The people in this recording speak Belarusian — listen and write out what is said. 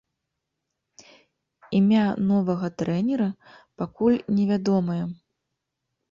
Імя новага трэнера пакуль невядомае.